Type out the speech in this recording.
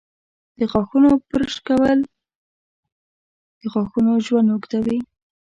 د غاښونو برش کول د غاښونو ژوند اوږدوي.